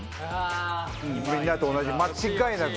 みんなと同じ間違いなく。